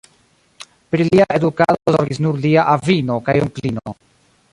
Pri lia edukado zorgis nur lia avino kaj onklino.